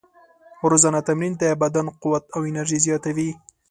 روزانه تمرین د بدن قوت او انرژي زیاتوي.